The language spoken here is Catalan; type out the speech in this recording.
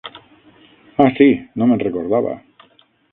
Ah, sí! No me'n recordava.